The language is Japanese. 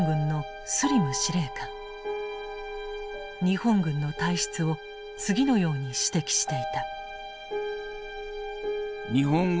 日本軍の体質を次のように指摘していた。